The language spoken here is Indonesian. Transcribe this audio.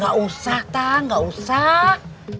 gak usah tatang gak usah